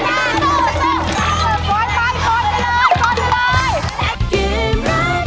ปล่อยไปปล่อยไปเลย